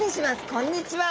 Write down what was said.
こんにちは。